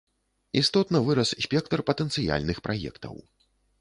Істотна вырас спектр патэнцыяльных праектаў.